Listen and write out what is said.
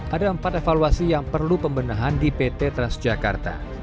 ada empat evaluasi yang perlu pembenahan di pt transjakarta